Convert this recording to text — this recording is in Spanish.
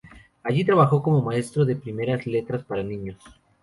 Allí trabajó como maestro de primeras letras para niños.